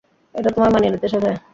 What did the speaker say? এটা তোমায় মানিয়ে নিতে শেখায়।